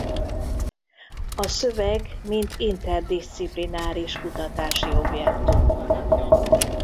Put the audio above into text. A szöveg mint interdiszciplináris kutatási objektum.